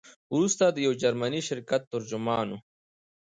وروسته د یو جرمني شرکت ترجمان وو.